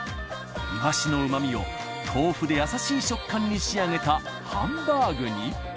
イワシの旨みを豆腐でやさしい食感に仕上げたハンバーグに。